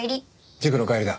塾の帰りだ。